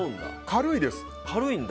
軽いです。